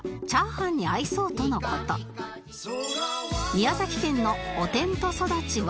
宮崎県のおてんとそだちは